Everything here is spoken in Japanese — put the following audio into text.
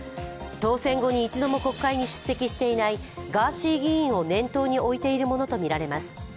当選後に一度も国会に出席していないガーシー議員を念頭に置いているものとみられます。